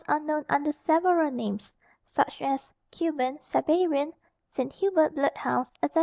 ] Bloodhounds are known under several names, such as, Cuban, Siberian, St. Hubert blood hounds, etc.